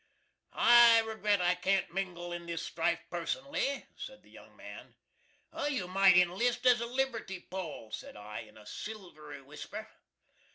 "I regret I can't mingle in this strife personally," said the young man. "You might inlist as a liberty pole," said I, in a silvery whisper.